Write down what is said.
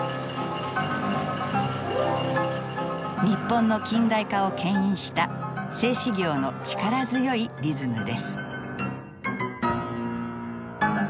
日本の近代化をけん引した製糸業の力強いリズムです。